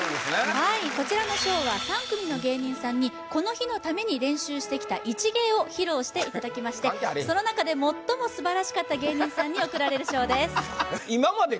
はいこちらの賞は３組の芸人さんにこの日のために練習してきた一芸を披露していただきましてその中で最も素晴らしかった芸人さんに贈られる賞です